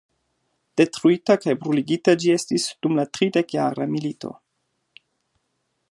Detruita kaj bruligita ĝi estis dum la tridekjara milito.